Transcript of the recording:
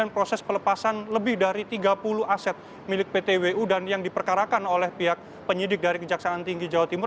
proses pelepasan lebih dari tiga puluh aset milik ptwu dan yang diperkarakan oleh pihak penyidik dari kejaksaan tinggi jawa timur